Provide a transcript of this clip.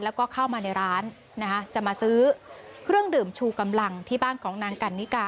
แล้วก็เข้ามาในร้านนะคะจะมาซื้อเครื่องดื่มชูกำลังที่บ้านของนางกันนิกา